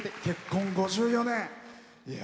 結婚５４年。